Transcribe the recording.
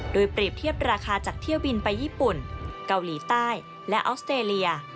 โดยเปรียบเทียบราคาจากเที่ยวบินไปญี่ปุ่นเกาหลีใต้และออสเตรเลีย